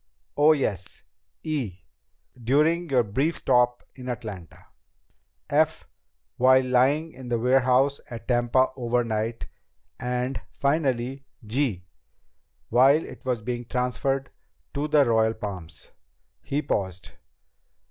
... oh, yes ... (e) during your brief stop in Atlanta; (f) while lying in the warehouse at Tampa overnight; and finally (g) while it was being transferred to the Royal Palms." He paused.